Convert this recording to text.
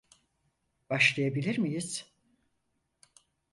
Başlayabilir miyiz?